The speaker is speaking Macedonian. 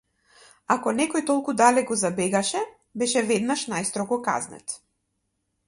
Ако некој толку далеку забегаше беше веднаш најстрого казнет.